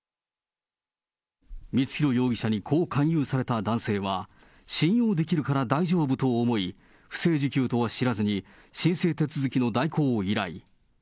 光弘容疑者にこう勧誘された男性は、信用できるから大丈夫と思い、不正受給とは知らずに、申請手続きの代行を依頼。